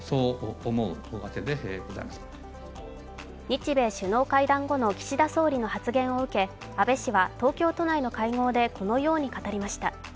日米首脳会談後の岸田総理の発言を受け安倍氏は、東京都内の会合でこのように語りました。